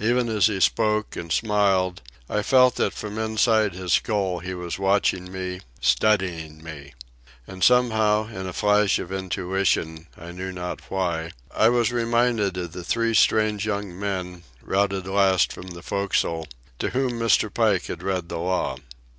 Even as he spoke and smiled I felt that from inside his skull he was watching me, studying me. And somehow, in a flash of intuition, I knew not why, I was reminded of the three strange young men, routed last from the forecastle, to whom Mr. Pike had read the law.